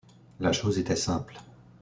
La chose était simple.